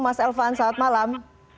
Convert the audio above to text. mas elvan selamat malam